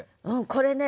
これね